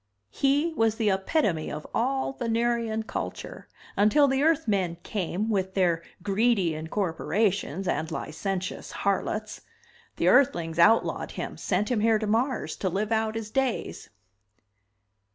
He was the epitome of all Venerian culture until the Earthmen came with their greedy incorporations and licentious harlots. The Earthlings outlawed him, sent him here to Mars to live out his days."